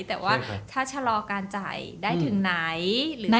แต่ว่าถ้าชะลอการจ่ายได้ถึงไหน